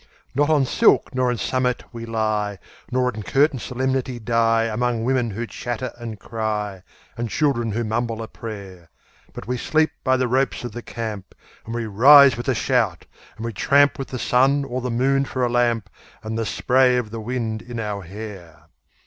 Not on silk nor in samet we lie, not in curtained solemnity die Among women who chatter and cry, and children who mumble a prayer. But we sleep by the ropes of the camp, and we rise with a shout, and we tramp With the sun or the moon for a lamp, and the spray of the wind in our hair.